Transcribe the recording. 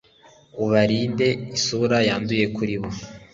Ubarinde isura yanduye kuri bo